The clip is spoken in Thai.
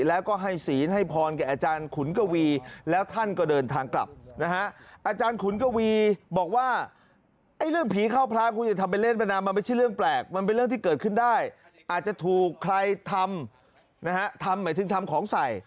อาจจะถูกใครทำนะฮะทำหมายถึงทำของใส